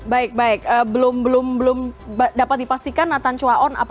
baik baik belum dapat dipastikan nathan chua on